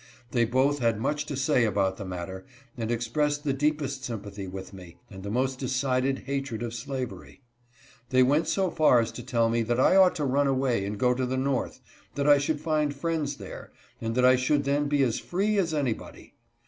They both had much to say about the matter, and expressed the deepest sympathy with me, and the most decided hatred of slavery. They went so far as to tell me that I ought to run away and go to the north ; that I should find friends there, and that I should then be as free as anybody.